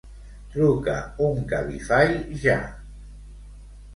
Truca un Cabify ja.